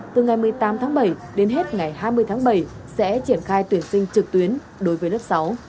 từ ngày một mươi tám tháng bảy đến hết ngày hai mươi tháng bảy sẽ triển khai tuyển sinh trực tuyến đối với lớp sáu